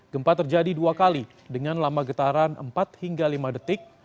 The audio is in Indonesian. gempa terjadi dua kali dengan lama getaran empat hingga lima detik